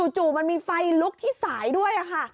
จู่มันมีไฟลุกที่สายด้วยค่ะ